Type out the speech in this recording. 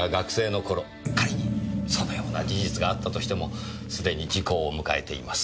仮にそのような事実があったとしてもすでに時効を迎えています。